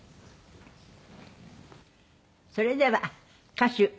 それでは歌手北原